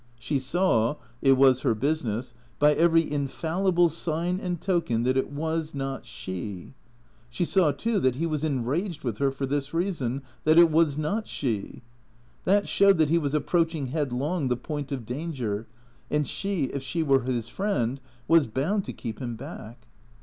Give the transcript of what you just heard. She saw (it was her business) by every infallible sign and token that it was not she. She saw, too, that he was enraged with her for this reason, that it was not she. That showed that he was approaching headlong the point of danger; and she, if she were his friend, was bound to keep him back.